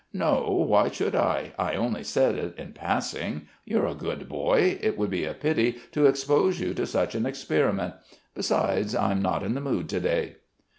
"'No, why should I? I only said it in passing. You're a good boy. It would be a pity to expose you to such an experiment. Besides, I'm not in the mood, to day.'